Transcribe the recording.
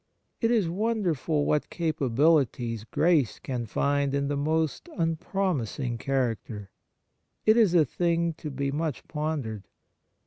It is wonder ful what capabihties grace can find in the most unpromising character. It is a thing to be much pondered.